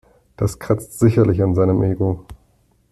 Das kratzt sicherlich an seinem Ego.